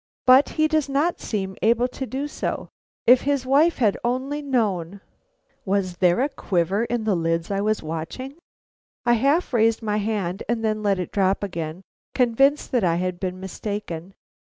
But he does not seem able to do so. If his wife had only known " Was there a quiver in the lids I was watching? I half raised my hand and then I let it drop again, convinced that I had been mistaken.